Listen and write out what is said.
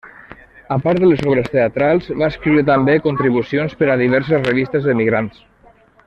A part de les obres teatrals, va escriure també contribucions per a diverses revistes d'emigrants.